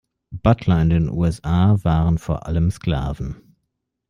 Butler in den U S A waren vor allem Sklaven.